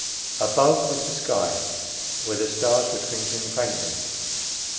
Above was the sky, where the stars were twinkling faintly.